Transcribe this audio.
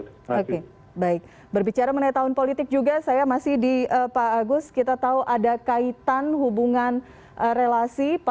oke baik berbicara menit tahun politik juga saya masih di pak agus kita tahu ada kaitan hubungan relasi pak andika perkyasa dengan salah seorang ketumparpol